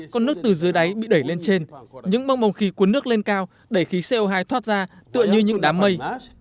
con nước từ dưới đáy bị đẩy lên trên những băng bồng khí cuốn nước lên cao đẩy khí co hai thoát ra tựa như những đám mây